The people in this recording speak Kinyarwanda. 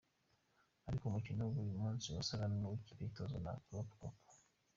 Ariko umukino w'uyu munsi wasaga n'uw'ikipe itozwa na Klopp koko.